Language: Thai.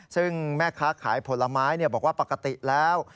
ซึ่งแม่ค้าขายผลไม้บอกว่าปกติแล้ว